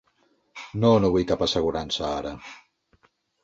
No, no vull cap assegurança ara.